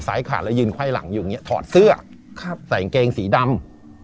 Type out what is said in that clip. ซ้ายขาดแล้วยืนคว่ายหลังอยู่อย่างเงี้ยถอดเสื้อครับใส่เกงสีดำ